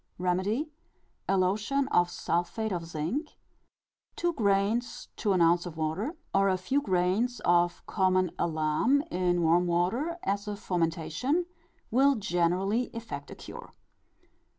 Remedy: A lotion of sulphate of zinc, two grains to an ounce of water, or a few grains of common alum in warm water, as a fomentation, will generally effect a cure.